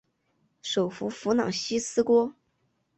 首府弗朗西斯敦。